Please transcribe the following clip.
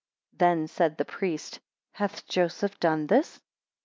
5 Then said the priest, Hath Joseph done this?